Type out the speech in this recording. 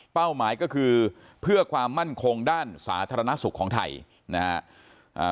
หมายก็คือเพื่อความมั่นคงด้านสาธารณสุขของไทยนะฮะ